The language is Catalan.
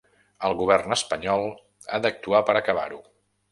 El govern espanyol ha d’actuar per acabar-ho.